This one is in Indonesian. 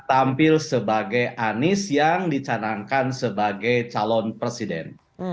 tampil sebagai anies yang dicanangkan sebagai calon presiden